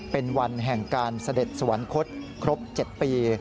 เป็นวันแห่งการเสด็จสวรรคตครบ๗ปี